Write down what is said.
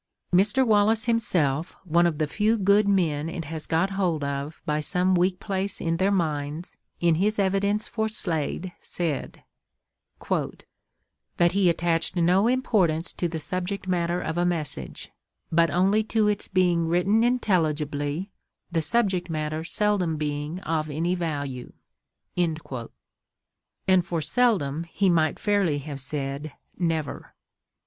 Mr. Wallace himself, one of the few good men it has got hold of by some weak place in their minds, in his evidence for Slade said "that he attached no importance to the subject matter of a message, but only to its being written intelligibly, the subject matter seldom being of any value." And for seldom he might fairly have said never.